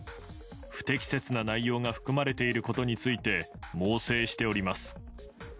不適切な内容が含まれていることについて、猛省しております。